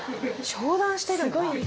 商談してるんだ。